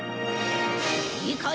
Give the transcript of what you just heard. いいかい？